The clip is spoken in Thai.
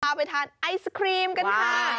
เอาไปทานไอศครีมกันค่ะ